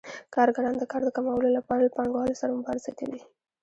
کارګران د کار د کمولو لپاره له پانګوالو سره مبارزه کوي